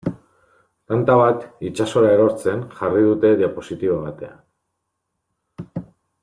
Tanta bat itsasora erortzen jarri dute diapositiba batean.